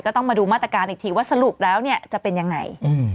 ต้องมาดูมาตรการอีกทีว่าสรุปแล้วเนี่ยจะเป็นยังไง